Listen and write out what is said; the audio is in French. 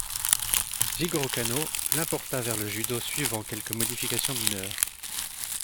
Jigorō Kano l'importa vers le judo suivant quelques modifications mineures.